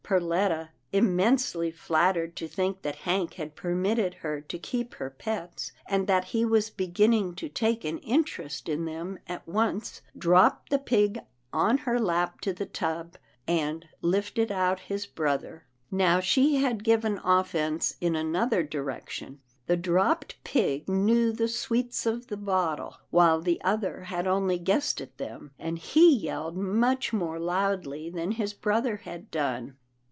Perletta, immensely flattered to think that Hank had permitted her to keep her pets, and that he was beginning to take an interest in them, at once PERLETTA'S PETS 223 dropped the pig on her lap to the tub, and lifted out his brother. Now she had given offence in another direction. The dropped pig knew the sweets of the bottle, while the other had only guessed at them, and he yelled much more loudly than his brother had done.